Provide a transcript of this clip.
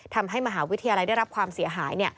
ทำให้มหาวิทยาลัยได้รับความเสียหาย